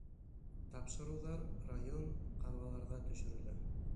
Тапшырыуҙар район, ҡалаларҙа төшөрөлә.